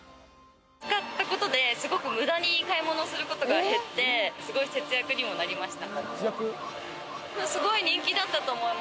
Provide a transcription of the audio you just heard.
使ったことで無駄に買い物することが減って、すごい節約にもなりました。